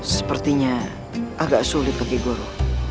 sepertinya agak sulit bagi guru